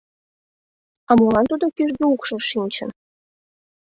А молан тудо кӱжгӧ укшыш шинчын?